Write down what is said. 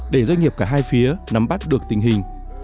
để doanh nghiệp cả hai phía nắm bắt được tình hình